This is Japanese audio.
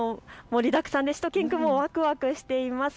盛りだくさんでしゅと犬くんもわくわくしています。